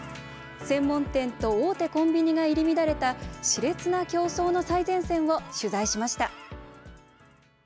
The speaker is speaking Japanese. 専門店と大手コンビニが入り乱れたしれつな競争の最前線を取材しました。